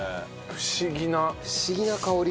不思議な香り。